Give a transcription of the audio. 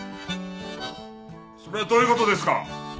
それはどういう事ですか！？